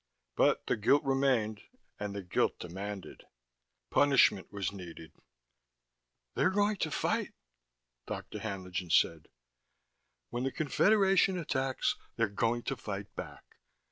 But the guilt remained, and the guilt demanded. Punishment was needed. "They're going to fight," Dr. Haenlingen said. "When the Confederation attacks, they're going to fight back.